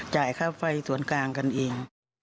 จ่ายค่าไฟส่วนกลางกันเอง